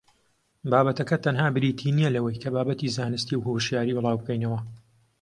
بابەتەکە تەنها بریتی نییە لەوەی کە بابەتی زانستی و هۆشیاری بڵاوبکەینەوە